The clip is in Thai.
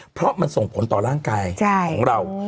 เพราะมันส่งผลต่อร่างกายของเรา